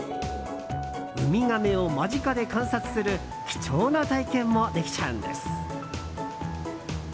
ウミガメを間近で観察する貴重な体験もできちゃうんです。